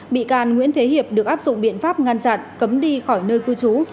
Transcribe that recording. bị can nguyễn thế hiệp được áp dụng biện pháp ngăn chặn cấm đi khỏi nơi cư trú